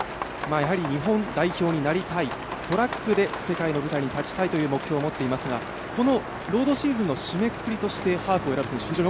日本代表になりたいトラックで世界の舞台に立ちたいという目標を持っている選手ですがこのロードシーズンの締めくくりとしてハーフを選ぶ選手